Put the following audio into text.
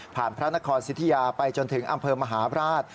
ผ่านพระนครสิทธิาไปจนถึงอำเภอมหาพระราช